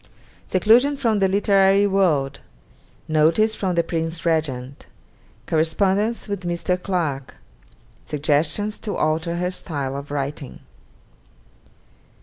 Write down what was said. _Seclusion from the literary world Notice from the Prince Regent Correspondence with Mr. Clarke Suggestions to alter her style of writing_.